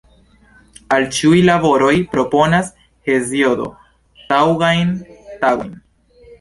Al ĉiuj laboroj proponas Heziodo taŭgajn tagojn.